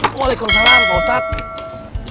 waalaikumsalam pak ustadz